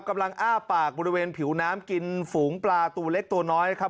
อ้าปากบริเวณผิวน้ำกินฝูงปลาตัวเล็กตัวน้อยครับ